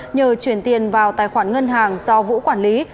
nhờ chuyển tiền vào tài khoản ngân hàng do vũ quản lý